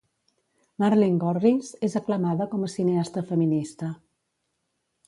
Marleen Gorris és aclamada com a cineasta feminista.